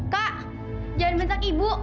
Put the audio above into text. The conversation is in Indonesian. kak jangan bentang ibu